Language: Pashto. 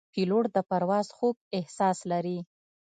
پیلوټ د پرواز خوږ احساس لري.